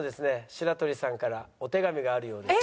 白鳥さんからお手紙があるようです。